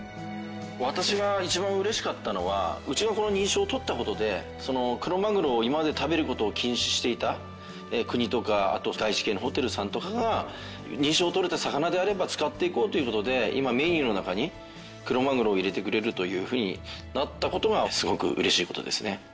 私が一番嬉しかったのはうちがこの認証を取った事でクロマグロを今まで食べる事を禁止していた国とかあと外資系のホテルさんとかが認証を取れた魚であれば使っていこうという事で今メニューの中にクロマグロを入れてくれるというふうになった事がすごく嬉しい事ですね。